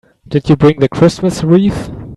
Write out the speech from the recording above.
Did you bring the Christmas wreath?